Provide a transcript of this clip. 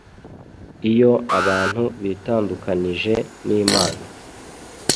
Iyo abantu bitandukanije n’Imana,